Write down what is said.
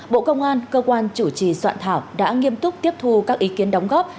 bộ công an cơ quan chủ trì soạn thảo đã nghiêm túc tiếp thu các ý kiến đóng góp